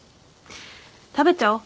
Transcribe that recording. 食べちゃおう。